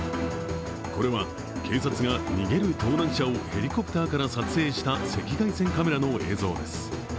これは警察が逃げる盗難車をヘリコプターから撮影した赤外線カメラの映像です。